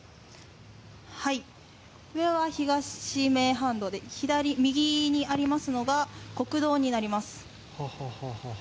はい、上は東名阪道で、右にありますのが国道になります。